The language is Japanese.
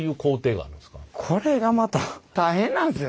これがまた大変なんですよ。